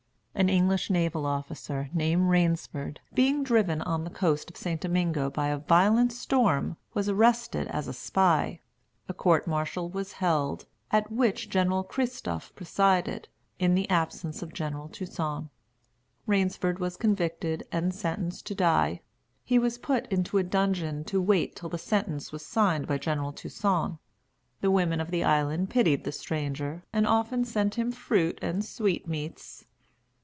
An English naval officer, named Rainsford, being driven on the coast of St. Domingo by a violent storm, was arrested as a spy. A court martial was held, at which General Christophe presided, in the absence of General Toussaint. Rainsford was convicted, and sentenced to die. He was put into a dungeon to wait till the sentence was signed by General Toussaint. The women of the island pitied the stranger, and often sent him fruit and sweetmeats.